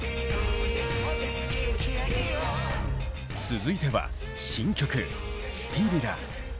続いては新曲「スピリラ」。